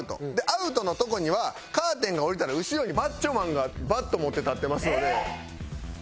アウトのとこにはカーテンが下りたら後ろにマッチョマンがバット持って立ってますのでケツバットです。